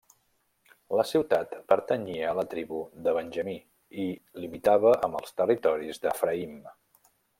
La ciutat pertanyia a la tribu de Benjamí, i limitava amb els territoris d'Efraïm.